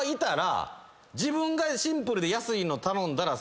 自分がシンプルで安いの頼んだら。